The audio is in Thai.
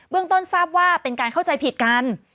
ต้นทราบว่าเป็นการเข้าใจผิดกัน